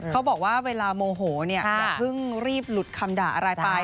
เขาบอกว่าเวลาโมโหเนี่ยอย่าเพิ่งรีบหลุดคำด่าอะไรไป